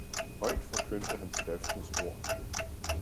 høit forkyndte han Skriftens Ord.